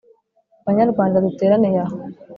banyarwanda duteraniye aha